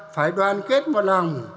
phải đoàn kết một lòng